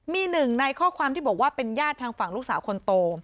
มีหนึ่งในข้อความที่บอกว่าเป็นญาติทางฝั่งลูกสาวคนโต